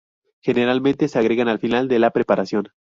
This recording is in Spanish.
Generalmente se agrega al final de la preparación.